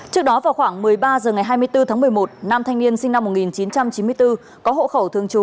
trước đó vào khoảng một mươi ba h ngày hai mươi bốn tháng một mươi một nam thanh niên sinh năm một nghìn chín trăm chín mươi bốn có hộ khẩu thường trú